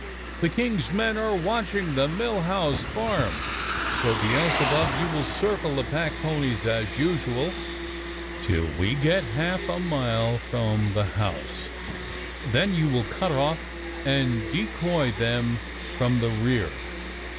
*'The King's men are watching the Mill House Farm, so, Beelzebub, you will circle the packponies as usual till we get half a mile from the house, then you will cut off and decoy them from the rear.